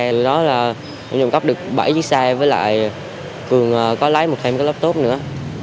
từ đó là em trộm cắp được bảy chiếc xe với lại cường có lấy một thêm cái laptop nữa